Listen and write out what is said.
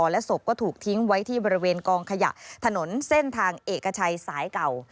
และศพก็ถูกทิ้งไว้ที่บริเวณกองขยะถนนเส้นทางเอกชัยสายเก่า